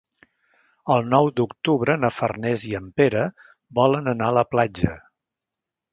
El nou d'octubre na Farners i en Pere volen anar a la platja.